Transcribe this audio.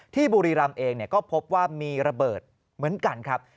บุรีรำเองก็พบว่ามีระเบิดเหมือนกันครับ